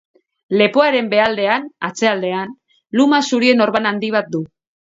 Lepoaren behealdean, atzealdean, luma zurien orban handi bat du.